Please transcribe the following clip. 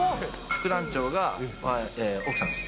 副団長が奥さんです。